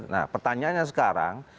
nah pertanyaannya sekarang